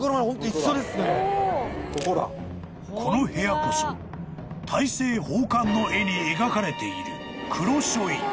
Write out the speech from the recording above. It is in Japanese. ［この部屋こそ大政奉還の絵に描かれている］